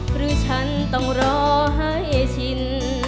หรือฉันต้องรอให้ชิน